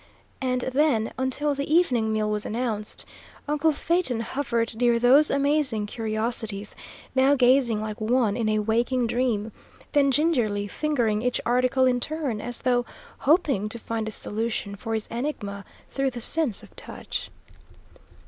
And then, until the evening meal was announced, uncle Phaeton hovered near those amazing curiosities, now gazing like one in a waking dream, then gingerly fingering each article in turn, as though hoping to find a solution for his enigma through the sense of touch.